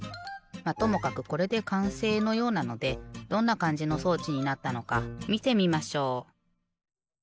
まっともかくこれでかんせいのようなのでどんなかんじの装置になったのかみてみましょう。